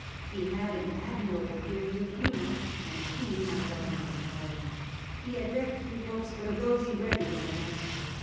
He had an admirable gift of humour and a keen ironical power. He had read few books, but of those he read he was a master.